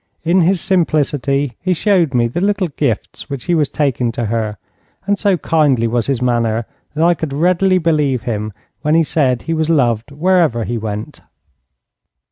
In his simplicity he showed me the little gifts which he was taking to her, and so kindly was his manner that I could readily believe him when he said he was loved wherever he went.